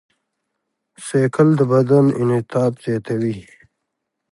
بایسکل د بدن انعطاف زیاتوي.